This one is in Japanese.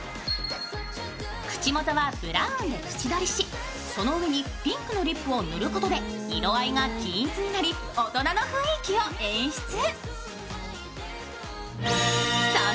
口元はブラウンで縁取りしその上にピンクのリップを塗ることで色合いが均一になり大人の雰囲気を演出。